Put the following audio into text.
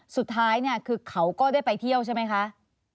สุดท้ายเนี่ยคือเขาก็ได้ไปเที่ยวใช่ไหมคะ